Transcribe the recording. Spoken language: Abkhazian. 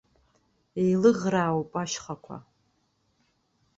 Еилыӷраауп ашьхақәа.